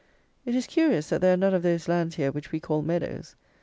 It is curious that there are none of those lands here which we call "meadows."